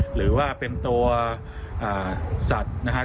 หรือว่าเป็นตัวสัตว์นะครับ